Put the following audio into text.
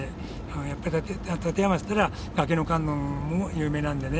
やっぱり館山っていったら崖の観音も有名なんでね。